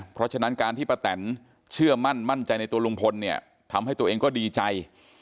เพราะฉะนั้นการที่ป้าแตนเชื่อมั่นมั่นใจในตัวลุงพลเนี่ยทำให้ตัวเองก็ดีใจ